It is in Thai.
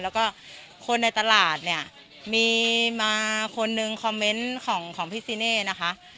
แล้วก็คนในตลาดเนี่ยมีมาคนนึงคอมเมนต์ของพี่ซีเน่นะคะ